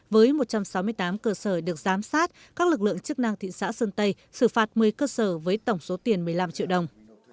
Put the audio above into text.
với một trăm sáu mươi tám cơ sở được giám sát các lực lượng chức năng thị xã sơn tây xử phạt một mươi cơ sở với tổng số tiền một mươi năm triệu đồng